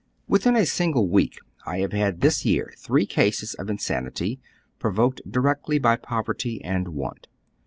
Within a single week I have had this year three cases of insanity, provoked directly by poverty and want.